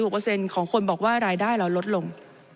๗๖เปอร์เซ็นต์ของคนบอกว่ารายได้เราลดลง